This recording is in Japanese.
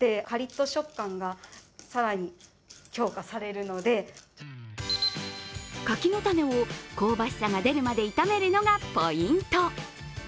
まずは柿の種を香ばしさが出るまで炒めるのがポイント。